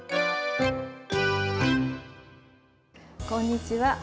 こんにちは。